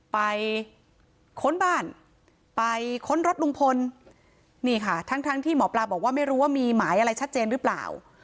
ค้นบ้านไปค้นรถลุงพลนี่ค่ะทั้งทั้งที่หมอปลาบอกว่าไม่รู้ว่ามีหมายอะไรชัดเจนหรือเปล่า